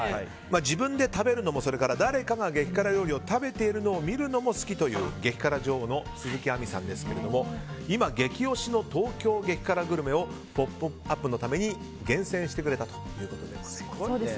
自分で食べるのも誰かが激辛料理を食べているのを見るのも好きという激辛女王の鈴木亜美さんですが今激推しの東京激辛グルメを「ポップＵＰ！」のために厳選してくれたということです。